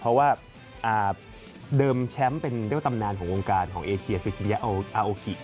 เพราะว่าเดิมแชมป์เป็นเรื่องตำนานของวงการของเอเทียฟิจินียาอาโอกิ